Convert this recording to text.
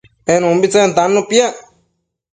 en umbitsen tannu piac